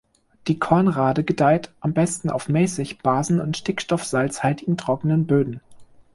Die Kornrade gedeiht am besten auf mäßig basen- und stickstoff-salzhaltigen, trockenen Böden.